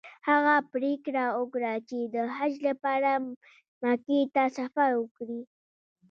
هغه پریکړه وکړه چې د حج لپاره مکې ته سفر وکړي.